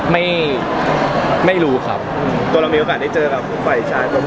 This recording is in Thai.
ไม่รู้ครับตัวเรามีโอกาสได้เจอกับฝ่ายชาย